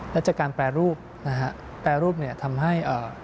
และจากการแปรรูปนะฮะแปรรูปเนี่ยทำให้เอ่อ